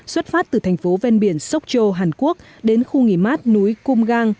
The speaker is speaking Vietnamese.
xuất phát từ thành phố ven biển sốc châu hàn quốc đến khu nghỉ mát núi cung gang